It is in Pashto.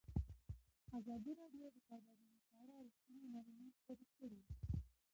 ازادي راډیو د سوداګري په اړه رښتیني معلومات شریک کړي.